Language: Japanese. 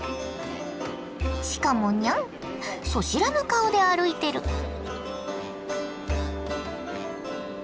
しかもニャンそしらぬ顔で歩いてる。